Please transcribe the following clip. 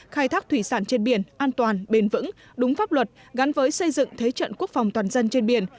khai thác thủy sản trên biển an toàn bền vững đúng pháp luật gắn với xây dựng thế trận quốc phòng toàn dân trên biển